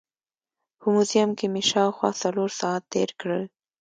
په موزیم کې مې شاوخوا څلور ساعت تېر کړل.